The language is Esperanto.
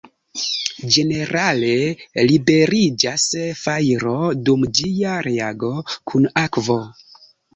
Ĝenerale liberiĝas fajro dum ĝia reago kun akvo.